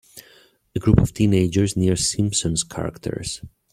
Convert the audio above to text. A group of teenagers near Simpsons characters.